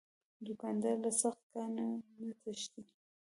دوکاندار له سخت کار نه نه تښتي.